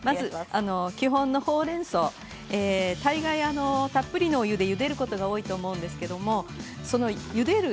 基本のほうれんそう大概たっぷりのお湯で、ゆでることが多いと思うんですけどゆでる